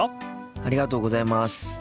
ありがとうございます。